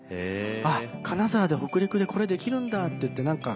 あっ金沢で北陸でこれできるんだって言って